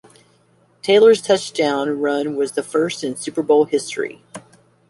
Taylor's touchdown run was the first in Super Bowl history.